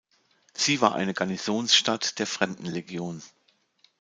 Sie war eine Garnisonsstadt der Fremdenlegion.